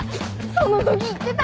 そのとき言ってた。